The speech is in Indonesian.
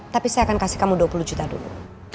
tapi saya akan kasih kamu dua puluh juta dulu